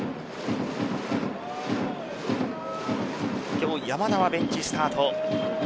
今日、山田はベンチスタート。